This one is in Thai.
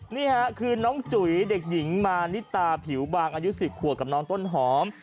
นี่ค่ะคือน้องจุ๋ยเด็กหญิงมานิตาผิวบางอายุ๑๐ขวบกับน้องต้นหอม